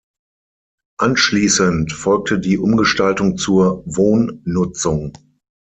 Anschließend folgte die Umgestaltung zur Wohnnutzung.